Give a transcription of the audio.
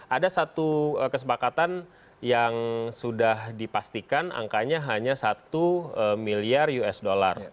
ada satu kesepakatan yang sudah dipastikan angkanya hanya satu miliar usd